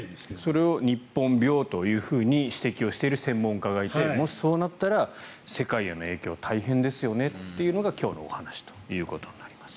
それを日本病というふうに指摘をしている専門家がいてもしそうなったら世界への影響は大変ですよねというのが今日のお話ということになります。